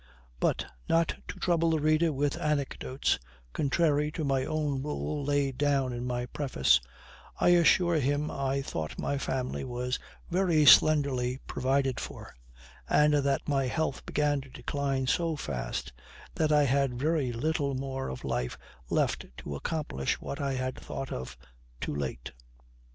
But, not to trouble the reader with anecdotes, contrary to my own rule laid down in my preface, I assure him I thought my family was very slenderly provided for; and that my health began to decline so fast that I had very little more of life left to accomplish what I had thought of too late.